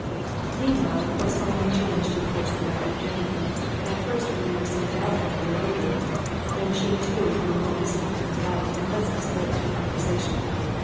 Meanwhile a corresponding change took place in my companion. At first her manner seemed doubtful and bewildered; then she, too, grew more distant and polite and less disposed for conversation.